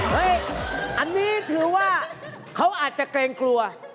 อันนี้ถือว่าเขาอาจจะเกรงกลัว